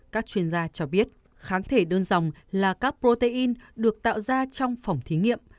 các chuyên gia cho biết kháng thể đơn dòng là các protein được tạo ra trong phòng thí nghiệm